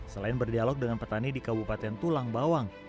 selain berdialog dengan petani di kabupaten tulang bawang